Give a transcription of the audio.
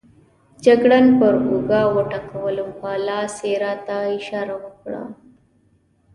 جګړن پر اوږه وټکولم، په لاس یې راته اشاره وکړه.